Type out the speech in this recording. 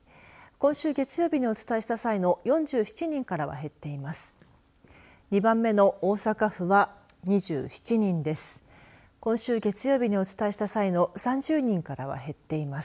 今週月曜日にお伝えした際の３０人からは減っています。